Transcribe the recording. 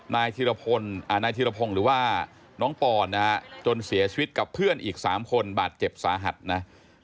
นายธิรพงศ์หรือว่าน้องปอนนะฮะจนเสียชีวิตกับเพื่อนอีก๓คนบาดเจ็บสาหัสนะ